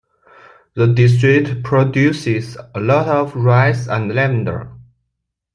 The district produces a lot of rice and lavender.